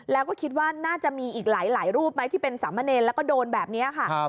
แล้วก็คิดว่าน่าจะมีอีกหลายรูปไหมที่เป็นสามเณรแล้วก็โดนแบบนี้ค่ะ